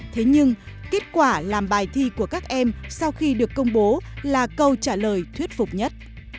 thế nhưng kết quả làm bài thi của các em sau khi được công bố là câu trả lời thuyết phục nhất